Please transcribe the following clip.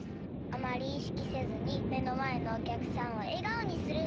あまりいしきせずにめのまえのおきゃくさんをえがおにする。